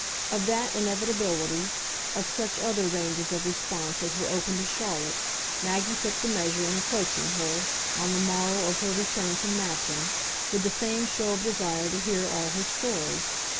Of that inevitability, of such other ranges of response as were open to Charlotte, Maggie took the measure in approaching her, on the morrow of her return from Matcham, with the same show of desire to hear all her story.